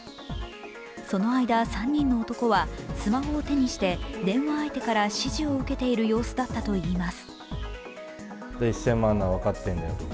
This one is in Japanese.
その間３人の男はスマホを手にして電話相手から指示を受けている様子だったといいます。